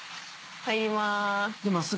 入ります。